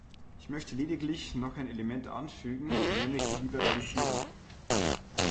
Ich möchte lediglich noch ein Element anfügen, nämlich die Liberalisierung.